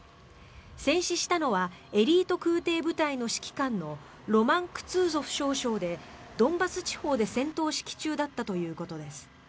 戦死したのはエリート空挺部隊の指揮官のロマン・クツーゾフ少将でドンバス地方で戦闘指揮中だったということです。